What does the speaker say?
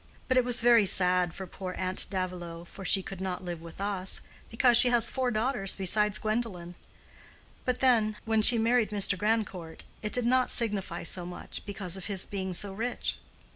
But it was very sad for poor Aunt Davilow, for she could not live with us, because she has four daughters besides Gwendolen; but then, when she married Mr. Grandcourt, it did not signify so much, because of his being so rich."